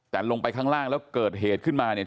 แต่ลงไปข้างล่างแล้วเกิดเหตุขึ้นมาเนี่ย